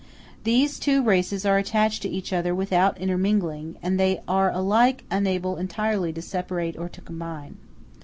These two races are attached to each other without intermingling, and they are alike unable entirely to separate or to combine.